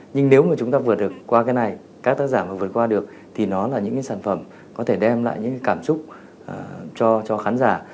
nhưng nếu mà chúng ta vượt được qua cái này các tác giả mà vượt qua được thì nó là những cái sản phẩm có thể đem lại những cảm xúc cho khán giả